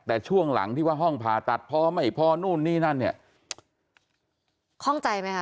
แต่ช่วงหลังที่ว่าห้องผ่าตัดพอไม่พอนู่นนี่นั่น